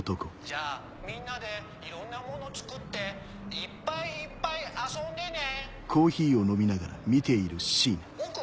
じゃあみんなでいろんなもの作っていっぱいいっぱい遊んでね。